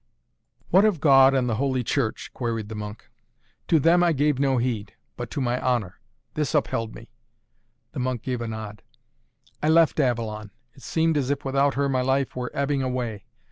"What of God and Holy Church?" queried the monk. "To them I gave no heed, but to my honor. This upheld me." The monk gave a nod. "I left Avalon. It seemed as if without her my life were ebbing away.